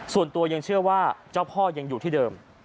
ส่วนตัวยังเชื่อว่าเจ้าพ่อยังอยู่ที่เดิม